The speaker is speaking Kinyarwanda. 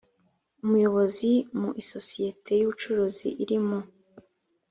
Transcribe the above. umuyobozi mu isosiyete y ubucuruzi iri mu